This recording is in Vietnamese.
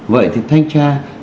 vậy thì thanh tra